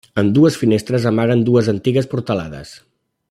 Ambdues finestres amaguen dues antigues portalades.